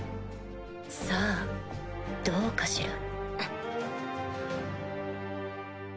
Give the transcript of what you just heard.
さぁどうかしら。